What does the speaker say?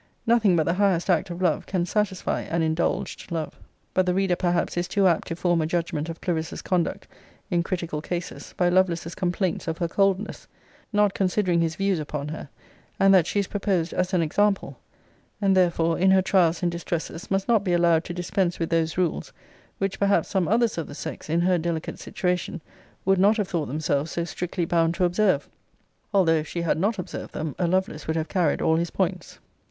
Nothing but the highest act of love can satisfy an indulged love. But the reader perhaps is too apt to form a judgment of Clarissa's conduct in critical cases by Lovelace's complaints of her coldness; not considering his views upon her; and that she is proposed as an example; and therefore in her trials and distresses must not be allowed to dispense with those rules which perhaps some others of the sex, in her delicate situation, would not have thought themselves so strictly bound to observe; although, if she had not observed them, a Lovelace would have carried all his points.